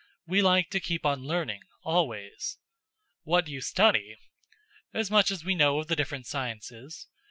We like to keep on learning, always." "What do you study?" "As much as we know of the different sciences.